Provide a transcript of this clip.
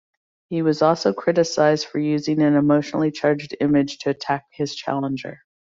He also was criticized for using an emotionally charged image to attack his challenger.